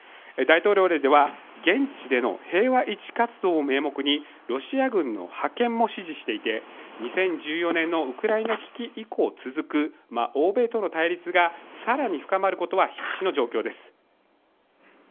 大統領令では現地での平和維持活動を名目にロシア軍の派遣も指示していて２０１４年のウクライナ危機以降続く欧米との対立が更に深まることは必至の状況です。